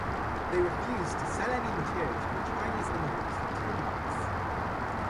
They refused to sell any material to Chinese immigrants for two months.